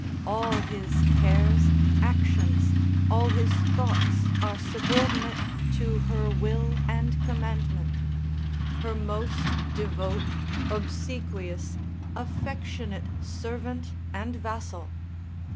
All his cares, actions, all his thoughts, are subordinate to her will and commandment: her most devote, obsequious, affectionate servant and vassal.